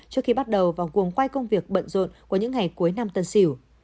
trước khi bắt đầu vào cuồng quay công việc bận rộn của những ngày cuối năm tân sửu